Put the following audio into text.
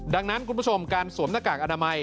ดังนั้นคุณผู้ชมการสวมหน้ากากอนามัย